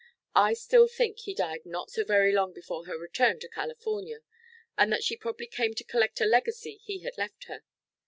I still think he died not so very long before her return to California, and that she probably came to collect a legacy he had left her.